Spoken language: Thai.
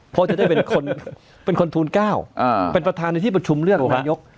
เพราะจะได้เป็นคนเป็นคนทูล๙เป็นประธานในที่ประชุมเลือกนายก